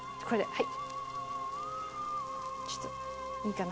はい。